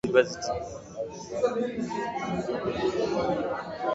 The Crimson represent Harvard University.